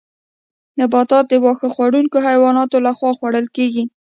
نباتات د واښه خوړونکو حیواناتو لخوا خوړل کیږي